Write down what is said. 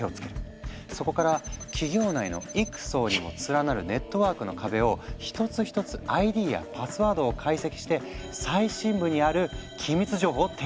そこから企業内の幾層にも連なるネットワークの壁を一つ一つＩＤやパスワードを解析して最深部にある機密情報を手に入れていた。